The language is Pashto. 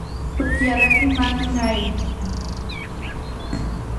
په تیاره کې مه کښینئ.